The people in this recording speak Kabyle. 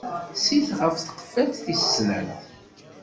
Sit ɣef tqeffalt tis snat.